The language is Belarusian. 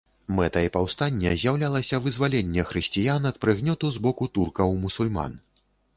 Мэтай паўстання з'яўлялася вызваленне хрысціян ад прыгнёту з боку туркаў-мусульман.